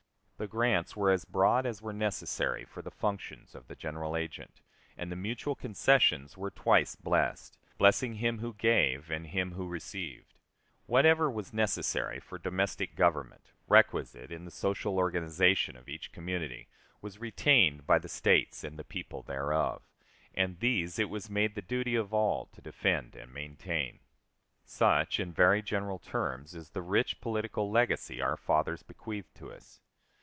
The grants were as broad as were necessary for the functions of the general agent, and the mutual concessions were twice blessed, blessing him who gave and him who received. Whatever was necessary for domestic government requisite in the social organization of each community was retained by the States and the people thereof; and these it was made the duty of all to defend and maintain. Such, in very general terms, is the rich political legacy our fathers bequeathed to us.